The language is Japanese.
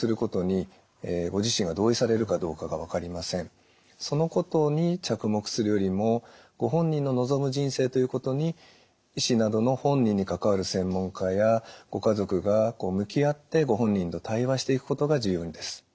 この方の場合そのことに着目するよりもご本人の望む人生ということに医師などの本人に関わる専門家やご家族が向き合ってご本人と対話していくことが重要です。